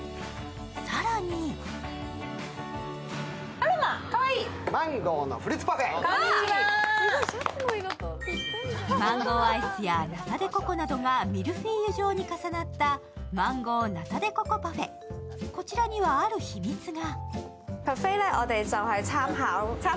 更にマンゴーアイスやナタデココなどがミルフィーユ状に重なったマンゴー・ナタデココ・パフェ、こちらにはある秘密が。